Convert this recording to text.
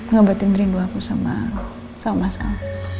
ngobatin rindu aku sama mas al